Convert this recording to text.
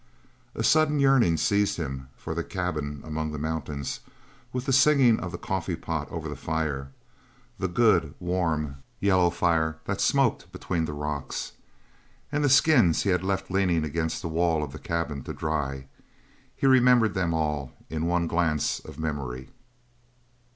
A sudden yearning seized him for the cabin among the mountains, with the singing of the coffee pot over the fire the good, warm, yellow fire that smoked between the rocks. And the skins he had left leaning against the walls of the cabin to dry he remembered them all in one glance of memory.